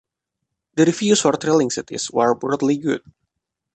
The reviews for "Thrilling Cities" were broadly good.